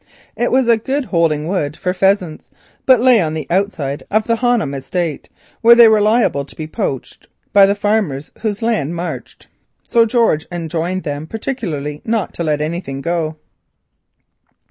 It was a good holding wood for pheasants, but lay on the outside of the Honham estate, where they were liable to be poached by the farmers whose land marched, so George enjoined them particularly not to let anything go.